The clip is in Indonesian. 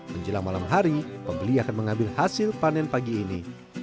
menjelang malam hari pembeli akan mengambil hasil panen pagi ini